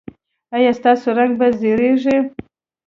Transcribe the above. ایا ستاسو رنګ به زیړیږي؟